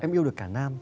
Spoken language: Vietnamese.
em yêu được cả nam